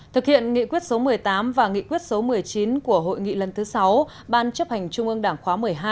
thực hiện nghị quyết số một mươi tám và nghị quyết số một mươi chín của hội nghị lần thứ sáu ban chấp hành trung ương đảng khóa một mươi hai